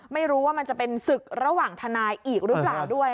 ไม่รู้ว่ามันจะเป็นศึกระหว่างทนายอีกหรือเปล่าด้วย